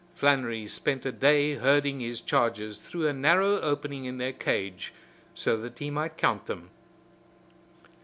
Flannery spent a day herding his charges through a narrow opening in their cage so that he might count them.